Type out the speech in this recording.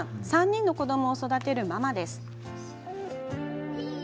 ３人の子どもを育てるママです。